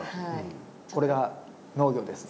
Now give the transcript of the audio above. これが農業です。